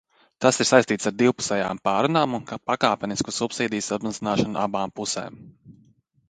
Tas ir saistīts ar divpusējām pārrunām un pakāpenisku subsīdiju samazināšanu abām pusēm.